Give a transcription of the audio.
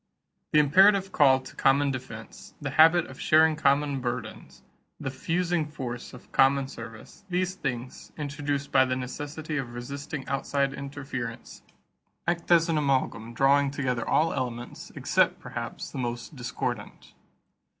The imperative call to common defense, the habit of sharing common burdens, the fusing force of common service these things, induced by the necessity of resisting outside interference, act as an amalgam drawing together all elements, except, perhaps, the most discordant.